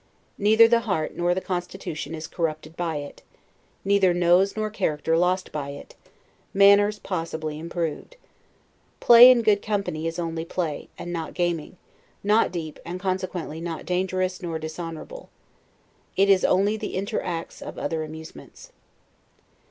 Neither the heart nor the constitution is corrupted by it; neither nose nor character lost by it; manners, possibly, improved. Play, in good company, is only play, and not gaming; not deep, and consequently not dangerous nor dishonorable. It is only the interacts of other amusements.